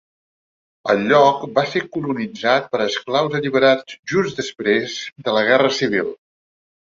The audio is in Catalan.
El lloc va ser colonitzat per esclaus alliberats just després de la Guerra Civil.